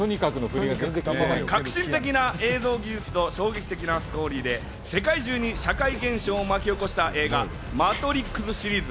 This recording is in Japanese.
革新的な映像技術と衝撃的なストーリーで、世界中に社会現象を巻き起こした映画『マトリックス』シリーズ。